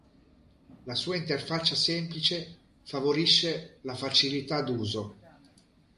La sua interfaccia semplice favorisce la facilità d'uso.